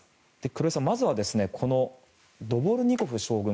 黒井さん、まずはドボルニコフ将軍。